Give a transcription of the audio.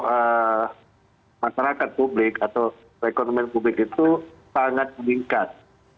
nah sama juga masyarakat publik atau rekonomen publik itu sangat meningkat